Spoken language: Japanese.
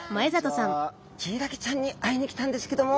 ヒイラギちゃんに会いに来たんですけども。